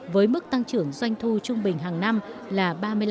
với mức tăng trưởng doanh thu trung bình hàng năm là ba mươi năm